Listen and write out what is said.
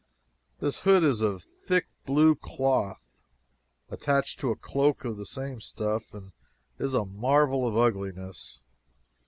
This hood is of thick blue cloth, attached to a cloak of the same stuff, and is a marvel of ugliness.